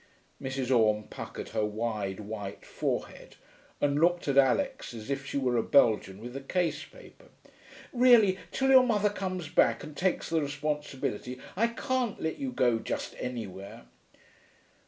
Mrs. Orme puckered her wide, white forehead and looked at Alix as if she were a Belgian with a case paper. 'Really, till your mother comes back and takes the responsibility, I can't let you go just anywhere.'